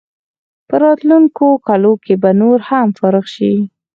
په راتلونکو کلونو کې به نور هم فارغ شي.